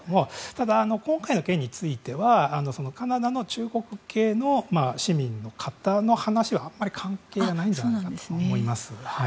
ただ、今回の件についてはカナダの中国系の市民の方の話はあまり関係がないと思います。